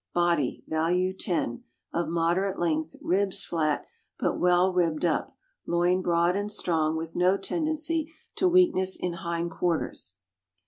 Body (value 10) of moderate length; ribs flat, but well ribbed up; loin broad and strong, with no tendency to weakness in hind quarters.